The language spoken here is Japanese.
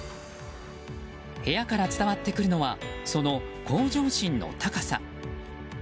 部屋から伝わってくるのはその向上心の高さ。